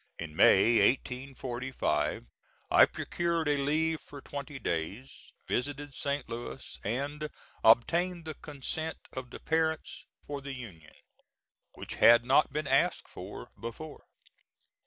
In May, 1845, I procured a leave for twenty days, visited St. Louis, and obtained the consent of the parents for the union, which had not been asked for before.